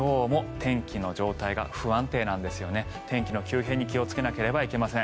天気の急変に気をつけなければいけません。